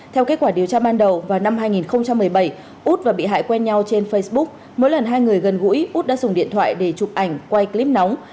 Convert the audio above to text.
theo kết quả điều tra ban đầu vào năm hai nghìn một mươi bảy út và bị hại quen nhau trên facebook mỗi lần hai người gần gũi út đã dùng điện thoại để chụp ảnh quay clip nóng